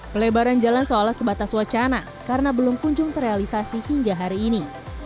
pelebaran jalan seolah sebatas wacana karena belum kunjung terrealisasi hingga hari ini